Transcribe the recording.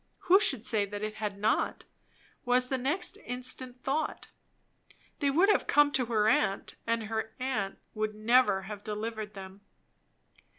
Who should say that it had not? was the next instant thought. They would have come to her aunt, and her aunt would never have delivered them.